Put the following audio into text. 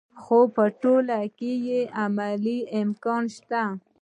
خو په ټوله کې یې عملي امکان شته.